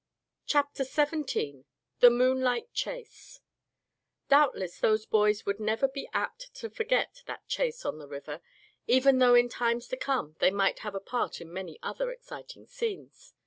CHAPTER XVII THE MOONLIGHT CHASE Doubtless those boys would never be apt to forget that chase on the river, even though in times to come they might have a part in many other exciting scenes.